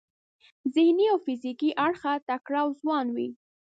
ذهني او فزیکي اړخه تکړه او ځوان وي.